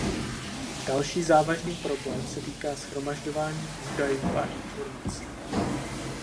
Další závažný problém se týká shromažďování údajů a informací.